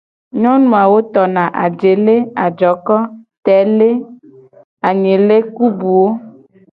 Nyonu awo tona : ajele, ajoko, tele, anyele ku buwo.